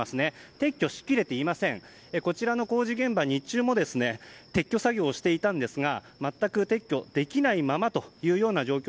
撤去しきれてはいませんこちらの工事現場は午前中も撤去作業をしていたんですが全く撤去できないままです。